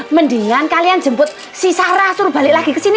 mendingan kalian jemput si sarah suruh balik lagi kesini